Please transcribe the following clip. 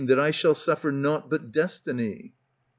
That I shall suffer nought but destiny.